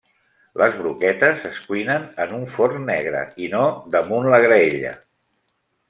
Les broquetes es cuinen en un forn negre, i no damunt la graella.